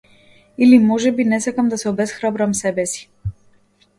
Или можеби не сакам да се обесхрабрам себеси.